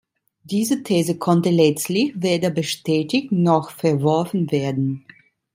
Diese These konnte letztlich weder bestätigt noch verworfen werden.